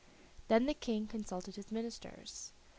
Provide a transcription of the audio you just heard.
Then the King consulted his ministers.